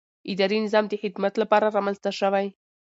اداري نظام د خدمت لپاره رامنځته شوی.